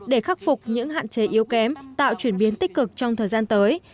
để khắc phục những hạn chế yếu kém tạo chuyển biến tích cực trong thời gian tới